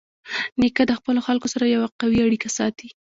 نیکه د خپلو خلکو سره یوه قوي اړیکه ساتي.